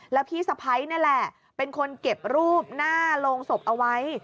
แล้วพี่สะพ้ายนี่แหละเป็นคนเก็บรูปหน้าโรงศพเอาไว้